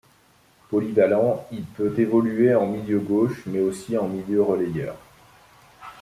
Polyvalent, il peut évoluer en milieu gauche, mais aussi en milieu relayeur.